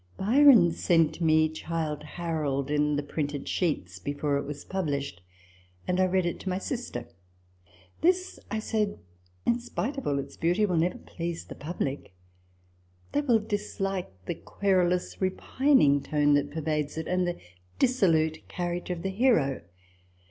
Byron sent me " Childe Harold " in the printed sheets before it was published ; and I read it to my sister. " This," I said, " in spite of all its beauty, will never please the public : they will dislike the querulous repining tone that pervades it, and the dissolute character of the hero."